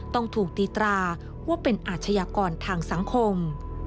ต้องถูกตีตราว่าเป็นอาชญากรทางสังคม